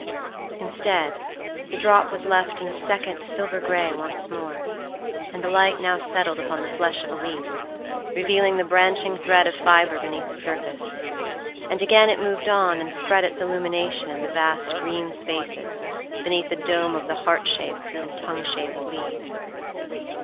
Instead, the drop was left in a second silver grey once more, and the light now settled upon the flesh of a leaf, revealing the branching thread of fibre beneath the surface, and again it moved on and spread its illumination in the vast green spaces beneath the dome of the heart shaped and tongue shaped leaves.